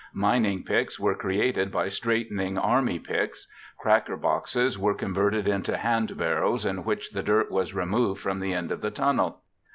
Mining picks were created by straightening army picks. Cracker boxes were converted into hand barrows in which the dirt was removed from the end of the tunnel.